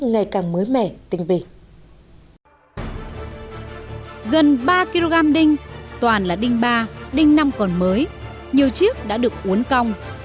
gần ba kg đinh toàn là đinh ba đinh năm còn mới nhiều chiếc đã được uốn công